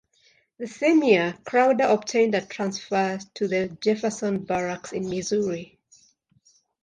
The same year, Crowder obtained a transfer to the Jefferson Barracks in Missouri.